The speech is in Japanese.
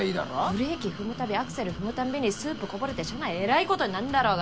ブレーキ踏む度アクセル踏むたんびにスープこぼれて車内えらいことになんだろうが。